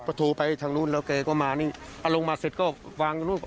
ละถูไปทางโน้นแล้วแกก็มานี่เอาลงมาเสร็จก็วางไปช่วย